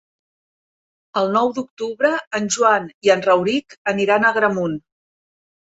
El nou d'octubre en Joan i en Rauric aniran a Agramunt.